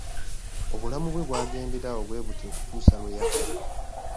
Obulamu bwe bwagenderanga awo bwe butyo okutuusa lwe yafa.